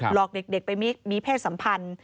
หลอกเด็กไปมีเพศสัมพันธ์